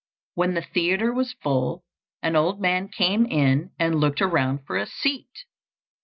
When the theatre was full, an old man came in and looked around for a seat.